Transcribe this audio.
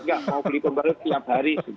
nggak mau beli pembaruan setiap hari